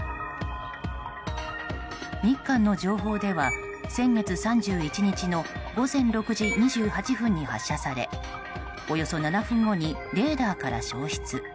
日韓の情報では、先月３１日の午前６時２８分に発射されおよそ７分後にレーダーから消失。